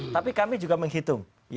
tapi kami juga menghitung